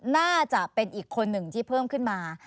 น่าจะเป็นอีกคนหนึ่งที่เพิ่มขึ้นมา